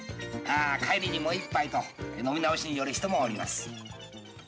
［帰りにもう１杯と飲み直しに寄る人もおります］